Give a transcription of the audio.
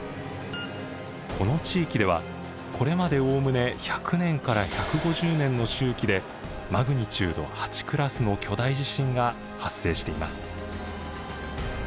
この地域ではこれまでおおむね１００年から１５０年の周期でマグニチュード８クラスの巨大地震が発生しています。